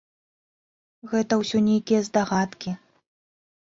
Гэта ўсё нейкія здагадкі.